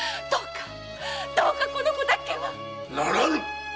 どうかこの子だけは。ならぬ！